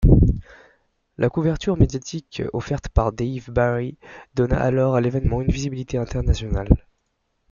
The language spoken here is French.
La couverture médiatique offerte par Dave Barry donna alors à l'événement une visibilité internationale.